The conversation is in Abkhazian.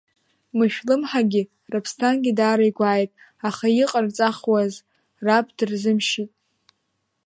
Мышәлымҳагьы, Раԥсҭангьы даара игәааит, аха иҟарҵахуеиз, Раԥ дырзымшьит.